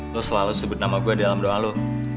lo selalu sebut nama gue dalam doa lo